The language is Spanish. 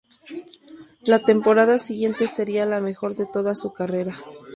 La temporada siguiente sería la mejor de toda su carrera.